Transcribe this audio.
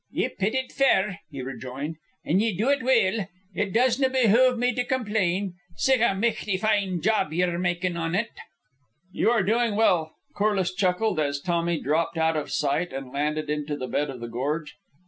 "Ye pit it fair," he rejoined. "And ye do it weel. It doesna behoove me to complain, sic a michty fine job ye're makin' on it." "You are doing well," Corliss chuckled, as Tommy dropped out of sight and landed into the bed of the gorge.